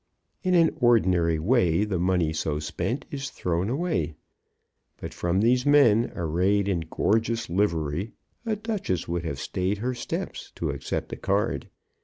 In an ordinary way the money so spent is thrown away. But from these men, arrayed in gorgeous livery, a duchess would have stayed her steps to accept a card.